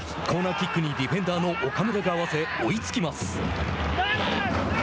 コーナーキックにディフェンダーの岡村が合わせ追いつきます。